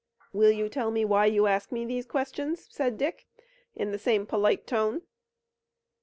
"Will you tell me why you ask me these questions?" said Dick in the same polite tone.